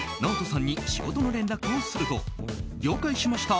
ＮＡＯＴＯさんに仕事の連絡をすると了解しました！